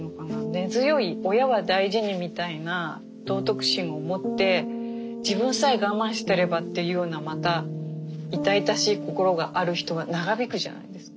根強い「親は大事に」みたいな道徳心を持って「自分さえ我慢してれば」っていうようなまた痛々しい心がある人は長引くじゃないですか。